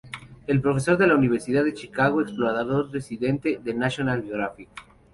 Es profesor en la Universidad de Chicago y "explorador residente" de "National Geographic".